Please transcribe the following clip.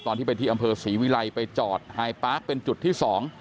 ตอนที่ไปที่อำเภอศรีวิไลไปจอดฮาไทยป้าเป็นจุดที่๒